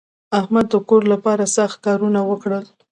احمد د کور لپاره سخت کارونه وکړل.